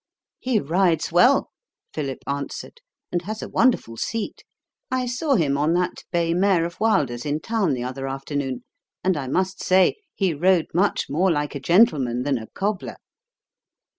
"He rides well," Philip answered, "and has a wonderful seat. I saw him on that bay mare of Wilder's in town the other afternoon, and I must say he rode much more like a gentleman than a cobbler."